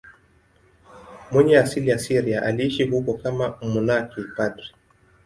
Mwenye asili ya Syria, aliishi huko kama mmonaki padri.